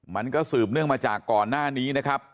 มันก็สืบเนื่องมาจากก่อนหน้านี้นะครับ